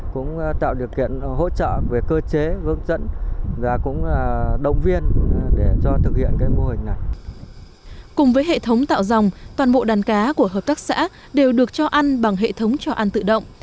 cùng với hệ thống tạo dòng toàn bộ đàn cá của hợp tác xã đều được cho ăn bằng hệ thống cho ăn tự động